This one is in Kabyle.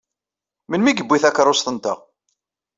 Melmi i yewwi takeṛṛust-nteɣ?